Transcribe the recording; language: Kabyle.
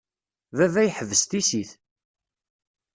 Baba yeḥbes tissit.